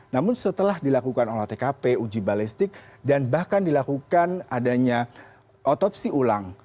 namun setelah dilakukan olah tkp uji balestik dan bahkan dilakukan adanya otopsi ulang